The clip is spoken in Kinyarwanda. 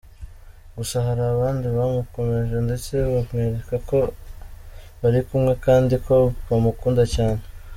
Gusa hari abandi bamukomeje ndetse bamwereka ko bari kumwe kandi ko bamukunda cyane.